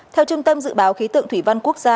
theo trung tâm dự báo khí tượng thủy văn quốc gia